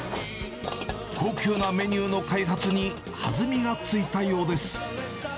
高級なメニューの開発に弾みがついたようです。